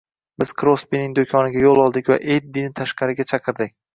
Biz Krosbining do`koniga yo`l oldik va Eddini tashkariga chaqirdik